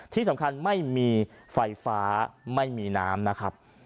ที่สำคัญไม่มีไฟฟ้าไม่มีน้ำนะครับ